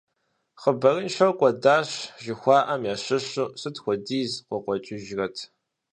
«Хъыбарыншэу кӀуэдащ», жыхуаӀахэм ящыщу сыт хуэдиз къыкъуэкӀыжрэт?